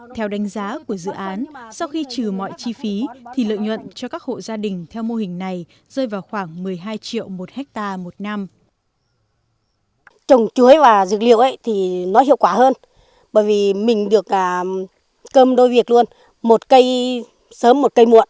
theo đánh giá của dự án sau khi trừ mọi chi phí thì lợi nhuận cho các hộ gia đình theo mô hình này rơi vào khoảng một mươi hai triệu một ha một năm